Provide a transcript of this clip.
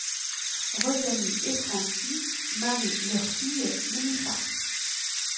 Rosalie et Francis marient leur fille, Mélissa.